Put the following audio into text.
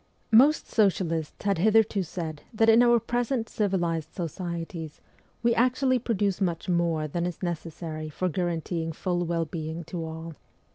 Most socialists had hitherto said that in our present civilized societies we actually produce much more than is necessary for guaranteeing full well being to all.